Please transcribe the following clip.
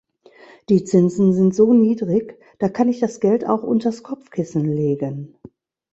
Die Zinsen sind so niedrig, da kann ich das Geld auch unters Kopfkissen legen.